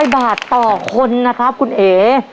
๐บาทต่อคนนะครับคุณเอ๋